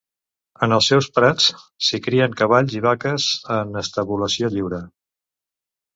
En els seus prats s'hi crien cavalls i vaques en estabulació lliure.